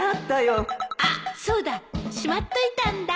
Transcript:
あっそうだしまっといたんだ